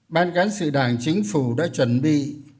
ban cán sự đảng chính phủ đã chuẩn bị